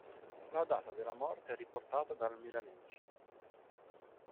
La data della morte è riportata dal Milanesi.